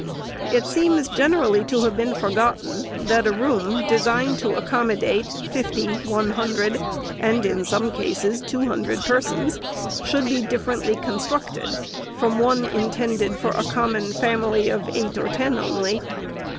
It seems generally to have been forgotten, that a room, designed to accommodate fifty, one hundred, and, in some cases, two hundred persons, should be differently constructed from one intended for a common family of eight or ten only.